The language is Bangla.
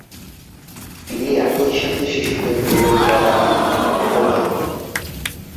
তিনি একই সাথে শিশুদের বইয়ের ধারাবাহিক ""-এরও নায়ক।